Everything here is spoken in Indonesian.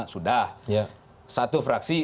sudah satu fraksi